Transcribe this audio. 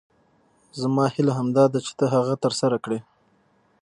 زما هیله همدا ده چې ته هغه تر سره کړې.